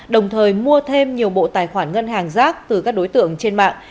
đồng thời mua thêm nhiều bộ tài khoản ngân hàng rác từ các đối tượng trên mạng